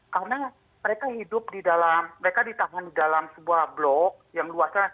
karena mereka hidup di dalam mereka ditahan di dalam sebuah blok yang luasnya kira kira